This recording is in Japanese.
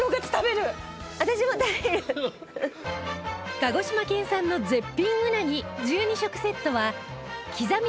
鹿児島県産の絶品うなぎ１２食セットはきざみ